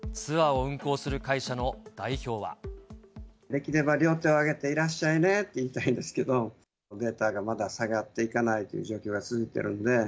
できれば両手を挙げて、いらっしゃいねーって言いたいんですけど、データがまだ下がっていかないという状況が続いてるんで。